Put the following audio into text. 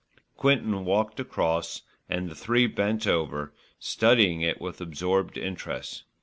Quinton walked across and the three bent over, studying it with absorbed interest.